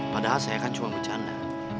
padahal saya kan cuma bercanda